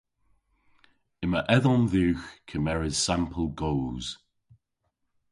Yma edhom dhywgh kemeres sampel goos.